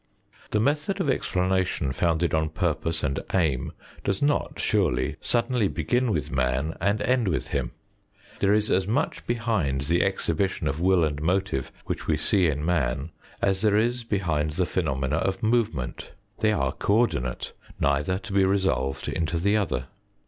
The method of explanation founded on purpose and aim does not, surely, suddenly begin with man and end with him. There is as much behind the exhibition of will and motive which we see in man as there is behind the phenomena of movement ; they are co ordinate, neither to be resolved into the other.